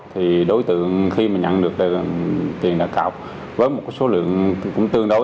thì đối tượng khi mà nhận được tiền đã cọc với một số lượng cũng tương đối